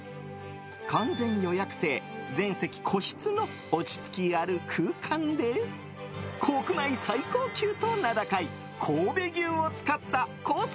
完全予約制、全席個室の落ち着きある空間で国内最高級と名高い神戸牛を使ったコース